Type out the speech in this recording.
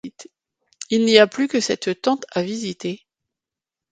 Il n’y a plus que cette tente à visiter...